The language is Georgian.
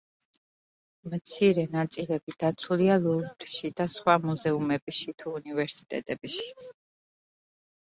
მცირე ნაწილები დაცულია ლუვრში და სხვა მუზეუმებში თუ უნივერსიტეტებში.